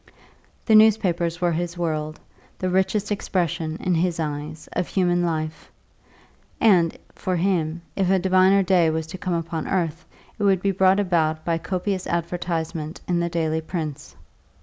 The newspapers were his world, the richest expression, in his eyes, of human life; and, for him, if a diviner day was to come upon earth, it would be brought about by copious advertisement in the daily prints.